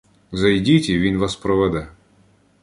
Зайдіть і він вас проведе.